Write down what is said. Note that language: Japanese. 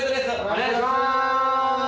お願いします！